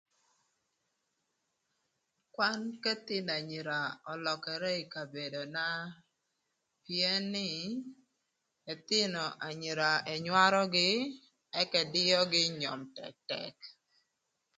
Kwan k'ëthïnö anyira ölökërë ï kabedona pïën nï ëthïnö anyira ënywarögï ëka ëdïögï ï nyom tëtëk.